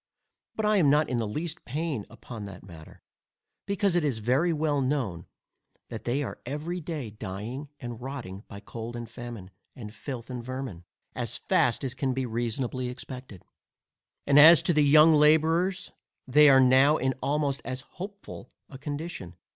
But I am not in the least pain upon that matter, because it is very well known, that they are every day dying, and rotting, by cold and famine, and filth, and vermin, as fast as can be reasonably expected. And as to the young labourers, they are now in almost as hopeful a condition.